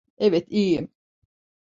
Evet, iyiyim.